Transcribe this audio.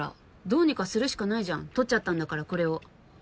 どうにかするしかないじゃん撮っちゃったんだからこれを。